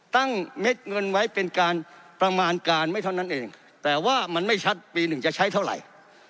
เม็ดเงินไว้เป็นการประมาณการไม่เท่านั้นเองแต่ว่ามันไม่ชัดปีหนึ่งจะใช้เท่าไหร่